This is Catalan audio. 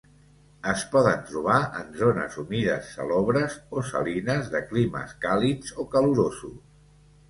Es poden trobar en zones humides salobres o salines de climes càlids o calorosos.